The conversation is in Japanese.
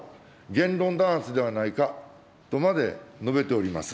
言論弾圧ではないか、とまで述べております。